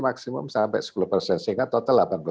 maksimum sampai sepuluh persen sehingga total